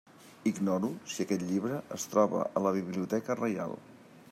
Ignoro si aquest llibre es troba a la Biblioteca Reial.